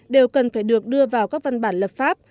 đều cần phải được đưa vào các văn bản lập pháp